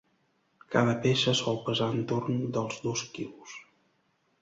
Cada peça sol pesar entorn dels dos quilos.